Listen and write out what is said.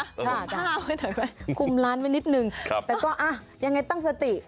คลุมผ้าไว้หน่อยไว้คุมร้านไว้นิดหนึ่งแต่ก็อ่ะยังไงตั้งสติ